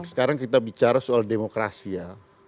sekarang kita bicara soal demokrasi ya